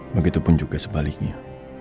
begitupun juga sebaliknya